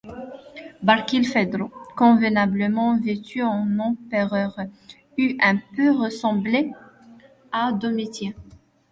Barkilphedro, convenablement vêtu en empereur, eût un peu ressemblé à Domitien.